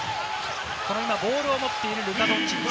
ボールを持っているルカ・ドンチッチ。